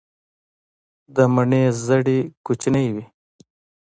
د مڼې زړې کوچنۍ وي.